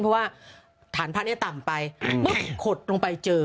เพราะว่าฐานพระเนี่ยต่ำไปไม่ขดลงไปเจอ